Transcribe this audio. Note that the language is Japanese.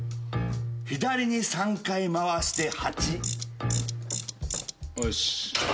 「左に３回回して８」よし。